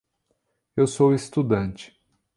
Eu sou estudante.